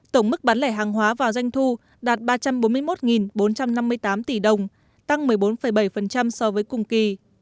tổng mức bán lẻ hàng hóa vào doanh thu đạt ba trăm bốn mươi một bốn trăm năm mươi tám tỷ đồng tăng một mươi bốn bảy so với cùng kỳ